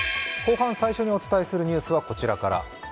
後半最初にお伝えするニュースはこちらから。